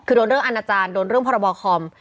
คือโดนเรื่องอาณาจารย์โดนเรื่องพรบคอม